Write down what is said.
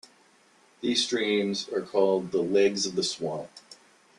These streams are called the "legs" of the swap.